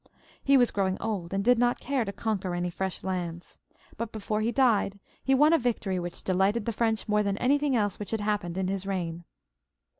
He was growing old, and did not care to conquer any fresh lands. But before he died he won a victory which delighted the French more than anything else which had happened in his reign.